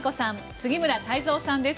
杉村太蔵さんです。